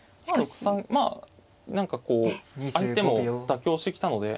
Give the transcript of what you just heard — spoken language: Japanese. まあ何かこう相手も妥協してきたので。